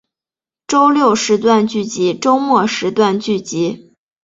周六时段剧集周末时段剧集